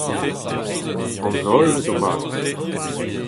An holl zo mat.